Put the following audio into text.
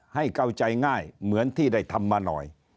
ให้เข้าใจง่ายเหมือนที่ได้ทำมาหน่อย